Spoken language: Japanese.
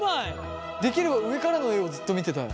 できれば上からの画をずっと見てたい。